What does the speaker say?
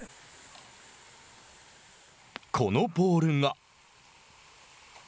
このボールが。